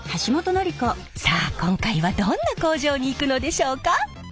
さあ今回はどんな工場に行くのでしょうか？